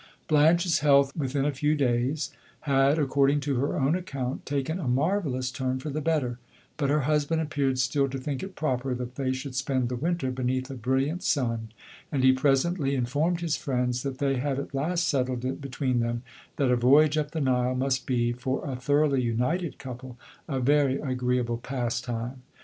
Blanche's health within a few days had, according to her own account, taken a marvellous turn for the better; but her husband appeared still to think it proper that they should spend the winter beneath a brilliant sun, and he presently informed his friends that they had at last settled it between them that a voyage up the Nile must be, for a thoroughly united couple, a very agreeable pastime.